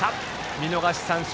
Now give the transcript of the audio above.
見逃し三振！